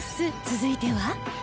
続いては